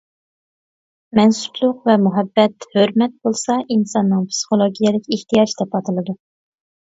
مەنسۇپلۇق ۋە مۇھەببەت، ھۆرمەت بولسا ئىنساننىڭ پىسخولوگىيەلىك ئېھتىياجى دەپ ئاتىلىدۇ.